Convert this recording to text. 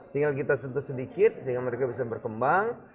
tinggal kita sentuh sedikit sehingga mereka bisa berkembang